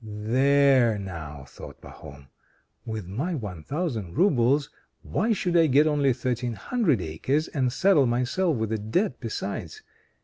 "There now," thought Pahom, "with my one thousand roubles, why should I get only thirteen hundred acres, and saddle myself with a debt besides.